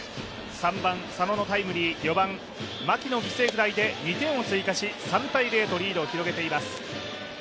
３番・佐野のタイムリー、４番・牧の犠牲フライで２点を追加し３−０とリードを広げています。